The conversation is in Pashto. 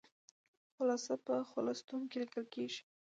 خلاصه په خلص ستون کې لیکل کیږي.